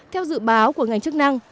theo dự báo của ngành chức năng